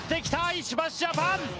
石橋ジャパン！